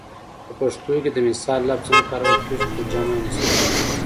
په پښتو کې د مثال لفظ هم کارول کیږي خو جمع یې مثالونه ده